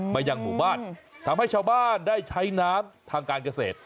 มายังหมู่บ้านทำให้ชาวบ้านได้ใช้น้ำทางการเกษตร